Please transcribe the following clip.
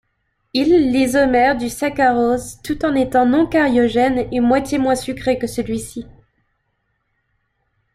Il l'isomère du saccharose tout en étant non-cariogène et moitié moins sucré que celui-ci.